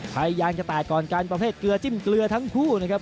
พยายามจะแตกก่อนการประเภทเกลือจิ้มเกลือทั้งคู่นะครับ